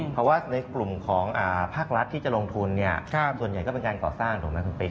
เพราะว่าในกลุ่มของภาครัฐที่จะลงทุนส่วนใหญ่ก็เป็นการก่อสร้างถูกไหมคุณปิ๊